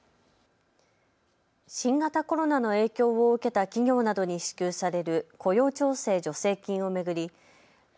新型コロナの影響を受けた企業などに支給される雇用調整助成金を巡りう